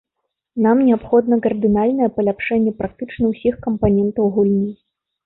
Нам неабходна кардынальнае паляпшэнне практычна ўсіх кампанентаў гульні.